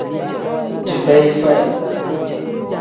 Dii feyi faya.